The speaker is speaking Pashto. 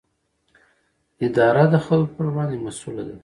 اداره د خلکو پر وړاندې مسووله ده.